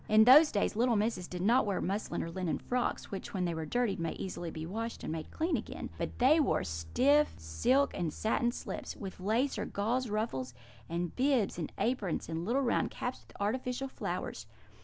"In those days little misses did not wear muslin or linen frocks, which, when they are dirtied, may easily be washed and made clean again; but they wore stuff, silk, and satin slips, with lace or gauze ruffles, and bibs, and aprons, and little round caps with artificial flowers.